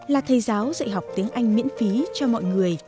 là thầy giáo dạy học tiếng anh miễn phí cho mọi người